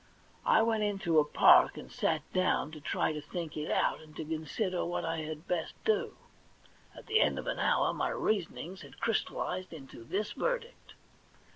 I went into a park, and sat down to try to think it out, and to consider what I had best do. At the end of an hour, my reasonings had crystallised into this verdict.